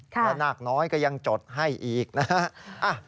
และนาคน้อยก็ยังจดให้อีกนะฮะ